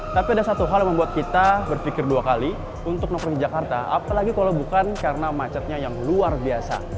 tapi ada satu hal yang membuat kita berpikir dua kali untuk nongkrong jakarta apalagi kalau bukan karena macetnya yang luar biasa